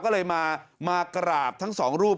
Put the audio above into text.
ก็เลยมากราบทั้งสองรูป